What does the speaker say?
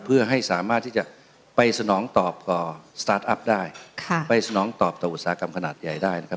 เพื่อให้สามารถที่จะไปสนองตอบก่อสตาร์ทอัพได้ค่ะไปสนองตอบต่ออุตสาหกรรมขนาดใหญ่ได้นะครับ